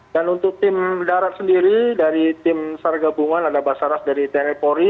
dan untuk tim darurat sendiri dari tim sarga bunga ada basaras dari tnpori